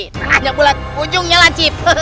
tengahnya bulat ujungnya lancip